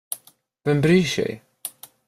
Vem bryr sig?